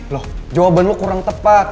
loh jawaban lo kurang tepat